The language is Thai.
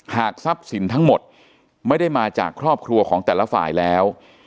ทรัพย์สินทั้งหมดไม่ได้มาจากครอบครัวของแต่ละฝ่ายแล้ว